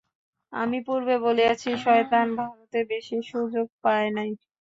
আমি পূর্বে বলিয়াছি, শয়তান ভারতে বেশী সুযোগ পায় নাই।